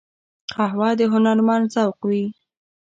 قهوه د هنرمند ذوق وي